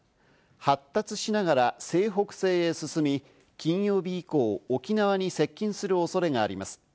発達しながら西北西へ進み、金曜日以降、沖縄に接近する恐れがあります。